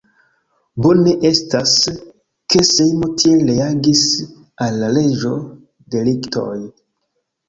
Bone estas, ke Sejmo tiel reagis al leĝo-deliktoj.